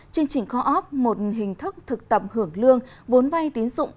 chương trình co op một hình thức thực tập hưởng lương vốn vay tín dụng